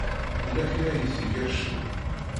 Yella kra ay t-ikerrcen.